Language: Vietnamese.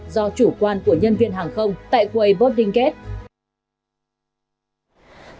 do chủ quan của nhân viên hàng không tại quầy boarding gate